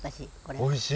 おいしい？